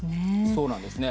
そうなんですね。